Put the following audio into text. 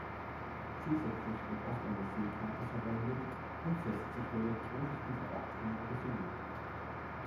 Zusätzlich wird oft eine Seekarte verwendet, um festzustellen, wo sich dieser Ort genau befindet.